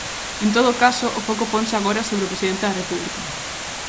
En todo caso, o foco ponse agora sobre o presidente da República.